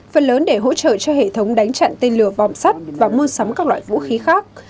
phần lớn để hỗ trợ cho hệ thống đánh chặn tên lửa vòm sắt và mua sắm các loại vũ khí khác